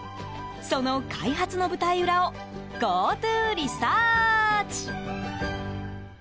その開発の舞台裏をＧｏＴｏリサーチ！